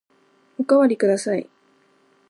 おかわりください。